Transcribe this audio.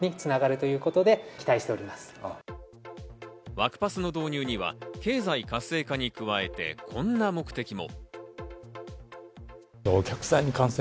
ワクパスの導入には経済活性化に加えて、こんな目的も。